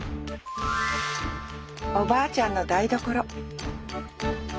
おばあちゃんの台所